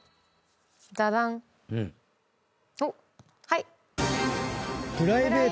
はい。